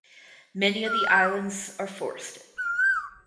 Many of the islands are forested.